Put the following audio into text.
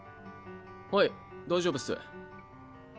はい大丈夫っす。